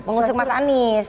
mengusuk mas anies